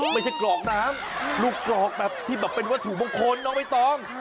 ไม่ใช่กรอกน้ำลูกกรอกแบบที่เป็นวัตถุมงคลน้อไว้ต้อง